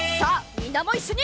みんなもいっしょに。